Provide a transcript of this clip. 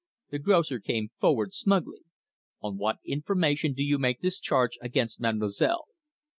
The grocer came forward smugly. "On what information do you make this charge against mademoiselle?"